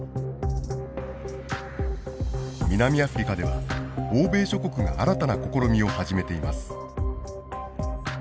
南アフリカでは欧米諸国が新たな試みを始めています。